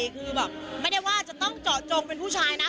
คือแบบไม่ได้ว่าจะต้องเจาะจงเป็นผู้ชายนะ